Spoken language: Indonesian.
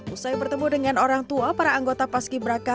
usai bertemu dengan orang tua para anggota paski beraka